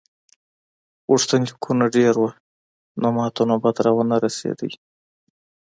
غوښتنلیکونه ډېر وو نو ماته نوبت را ونه رسیده.